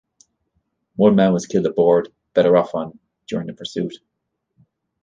One man was killed aboard "Bellerophon" during the pursuit.